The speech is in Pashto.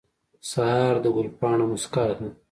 سهار د ګل پاڼو موسکا ده.